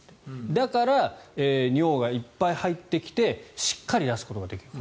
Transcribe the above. だから尿がいっぱい入ってきてしっかり出すことができる。